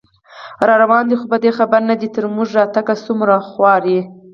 راروان دی خو په دې خبر نه دی، چې تر موږه راتګ څومره خواري